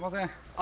あ！